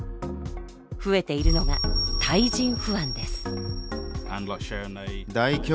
増えているのが対人不安です。